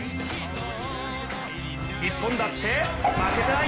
日本だって負けてない！